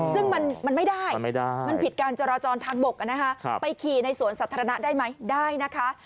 ซึ่งมันไม่ได้มันผิดการจราจรทางบกไปขี่ในสวนสาธารณะได้ไหมได้นะคะ